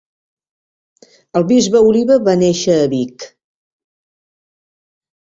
El bisbe Oliba va néixer a Vic